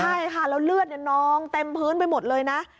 ใช่ค่ะแล้วเลือดนองเต็มพื้นไปหมดเลยนะ